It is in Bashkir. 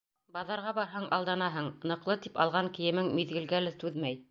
Баҙарға барһаң, алданаһың, ныҡлы тип алған кейемең миҙгелгә лә түҙмәй...